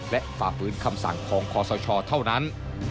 และฝ่าฝืนคำสั่งของคอสชเท่านั้น